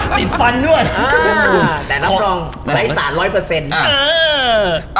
ติดฟันด้วยอ่าแต่นับรองไลฟ์สารร้อยเปอร์เซ็นต์อ่า